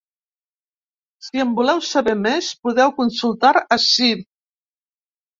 Si en voleu saber més podeu consultar ací.